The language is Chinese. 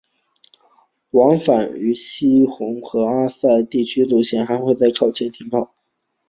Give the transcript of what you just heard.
往返于希洪和阿维莱斯的线路还会在和停靠。